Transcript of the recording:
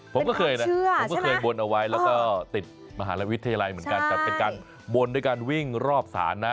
ผมก็เคยนะผมก็เคยบนเอาไว้แล้วก็ติดมหาวิทยาลัยเหมือนกันแต่เป็นการบนด้วยการวิ่งรอบศาลนะ